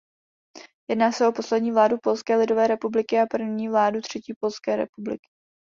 Jedná se o poslední vládu Polské lidové republiky a první vládu Třetí Polské republiky.